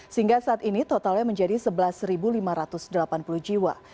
sehingga saat ini totalnya menjadi sebelas lima ratus delapan puluh jiwa